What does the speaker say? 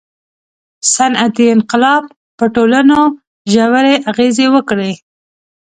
• صنعتي انقلاب په ټولنو ژورې اغېزې وکړې.